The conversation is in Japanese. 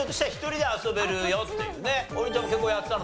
王林ちゃんも結構やってたの？